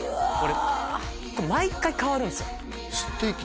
これ毎回変わるんですよ